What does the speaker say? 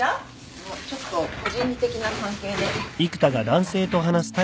あっちょっと個人的な関係で。